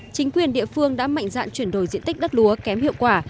chính quyền địa phương đã mạnh dạn chuyển đổi diện tích đất lúa kém hiệu quả